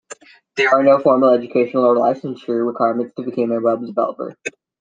There are no formal educational or licensure requirements to become a web developer.